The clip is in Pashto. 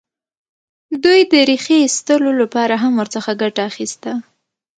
دوی د ریښې ایستلو لپاره هم ورڅخه ګټه اخیسته.